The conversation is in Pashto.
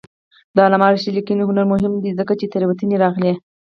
د علامه رشاد لیکنی هنر مهم دی ځکه چې تېروتنې رااخلي.